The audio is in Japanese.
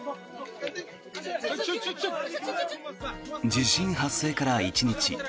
地震発生から１日。